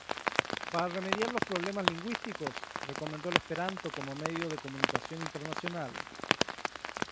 Para remediar los problemas lingüísticos, recomendó el Esperanto como medio de comunicación internacional.